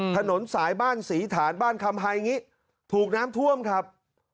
ถนนสายบ้านศรีฐานบ้านคำไฮงิถูกน้ำท่วมครับ